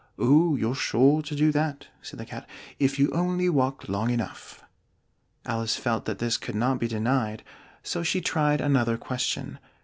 "Oh, you're sure to do that," said the Cat, "if you only walk long enough." Alice felt that this could not be denied, so she tried another question.